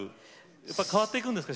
やっぱ変わっていくんですか？